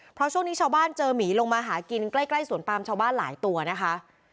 เพราะช่วงนี้ชาวบ้านเจอหมีลงมาหากินใกล้สวนปามชาวบ้านหลายตัวนะคะ